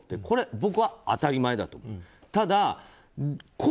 これ、僕は当たり前だと思う。